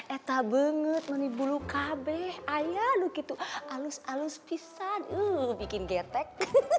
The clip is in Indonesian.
eta banget mani bulu kabeh ayah lu gitu alus alus pisan bikin getek